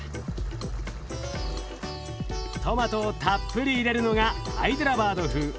トマトをたっぷり入れるのがハイデラバード風。